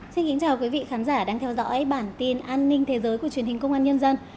xin kính chào quý vị khán giả đang theo dõi bản tin an ninh thế giới của truyền hình công an nhân dân